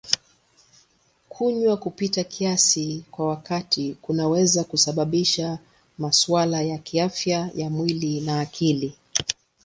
Kunywa kupita kiasi kwa wakati kunaweza kusababisha masuala ya kiafya ya mwili na akili.